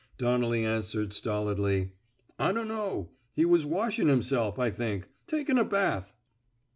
Donnelly answered, stolidly: I don't know. He's washin' himself, I think. TaEn' a bath."